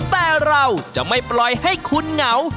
แต่เราจะไม่ปล่อยให้คุณเหงา